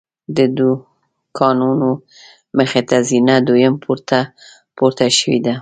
د دوکانونو مخې ته زینه دویم پوړ ته پورته شوې ده.